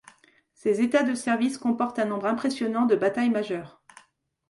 Ses états de service comportent un nombre impressionnant de batailles majeures.